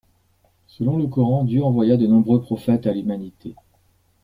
Selon le Coran, Dieu envoya de nombreux Prophètes à l'humanité.